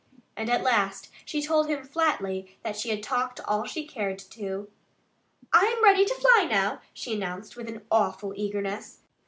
And at last she told him flatly that she had talked all she cared to. "I'm ready to fly now," she announced with an awful eagerness.